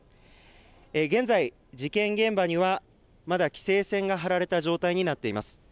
現在、事件現場にはまだ規制線が張られた状態になっています。